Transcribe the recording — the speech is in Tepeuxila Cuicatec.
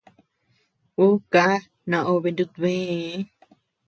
Ú ká naobe nutbëe.